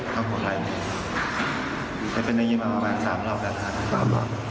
ตายแพ้แล้วนะ